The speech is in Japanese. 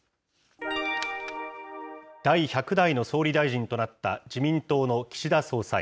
第１００代の総理大臣となった自民党の岸田総裁。